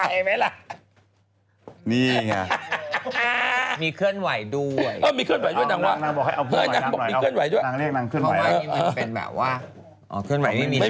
ตบปากมันตบปากมาสิ